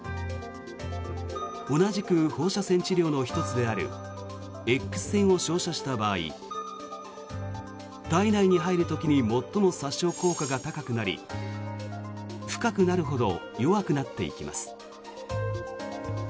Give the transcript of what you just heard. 同じく放射線治療の１つであるＸ線を照射した場合体内に入る時に最も殺傷効果が高くなり深くなるほど弱くなっていきます。